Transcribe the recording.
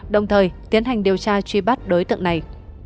đồng thời tiến hành điều tra truy bắt đối tượng này